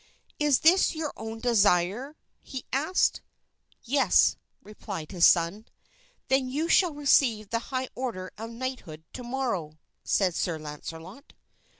"Is this your own desire?" he asked. "Yes," replied his son. "Then you shall receive the high order of knighthood to morrow," said Sir Launcelot.